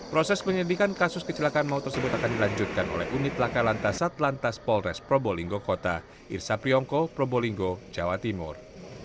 proses penyelidikan kasus kecelakaan maut tersebut akan dilanjutkan oleh unit laka lantas atlantas polres probolinggo kota irsa priyongko probolinggo jawa timur